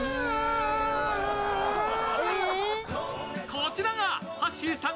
こちらがはっしーさん